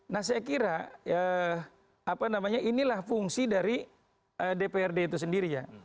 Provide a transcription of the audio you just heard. nah saya kira inilah fungsi dari dprd itu sendiri ya